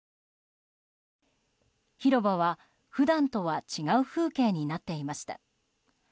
広場は、普段とは違う風景になっていました。